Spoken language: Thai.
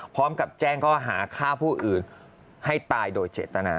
พร้อมกับแจ้งข้อหาฆ่าผู้อื่นให้ตายโดยเจตนา